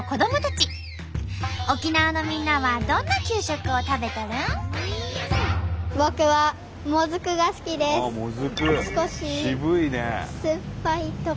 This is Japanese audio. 沖縄のみんなはどんな給食を食べとるん？